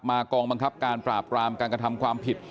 กองบังคับการปราบรามการกระทำความผิด